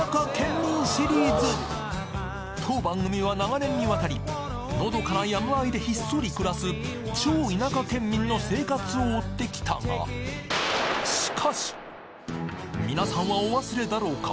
当番組は長年にわたりのどかな山間でひっそり暮らすチョ田舎ケンミンの生活を追ってきたが皆さんはお忘れだろうか？